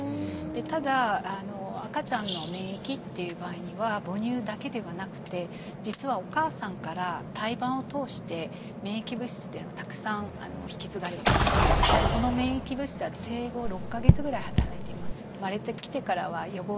ただ赤ちゃんの免疫っていう場合には母乳だけではなくて実はお母さんから胎盤を通して免疫物質っていうのはたくさん引き継がれていてこの免疫物質は生後６か月ぐらいはたらいています。